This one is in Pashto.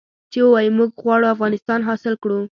چې ووايي موږ غواړو افغانستان حاصل کړو.